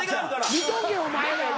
見とけお前ら。